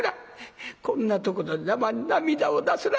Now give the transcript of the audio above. こんなとこで涙を出すな。